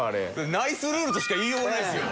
ナイスルールとしか言いようがないですよ。